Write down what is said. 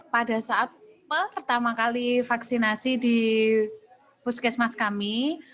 pada saat pertama kali vaksinasi di puskesmas kami